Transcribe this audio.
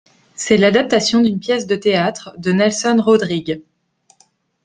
C'est l'adaptation d'une pièce de théâtre de Nelson Rodrigues.